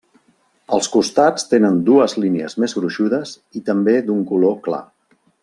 Als costats tenen dues línies més gruixudes i també d'un color clar.